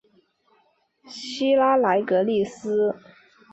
希拉莱格利斯。